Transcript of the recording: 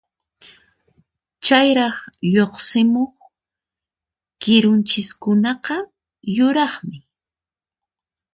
Chayraq lluqsimuq kirunchiskunaqa yuraqmi.